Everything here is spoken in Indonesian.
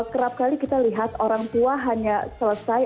kerap kali kita lihat orang tua hanya selesai